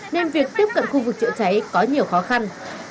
nên việc tiếp cận khu vực chữa cháy có nhiều khó khăn